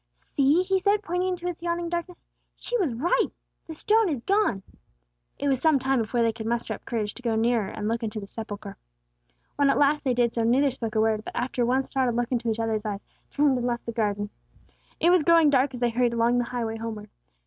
"See!" he said, pointing into its yawning darkness. "She was right! The stone is gone!" It was some time before they could muster up courage to go nearer and look into the sepulchre. When at last they did so, neither spoke a word, but, after one startled look into each other's eyes, turned and left the garden. It was growing dark as they hurried along the highway homeward.